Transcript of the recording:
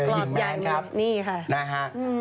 หิ่งแม้นครับ